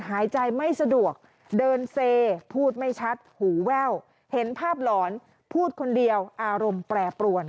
หายใจไม่สะดวกเดินเซพูดไม่ชัดหูแว่วเห็นภาพหลอนพูดคนเดียวอารมณ์แปรปรวน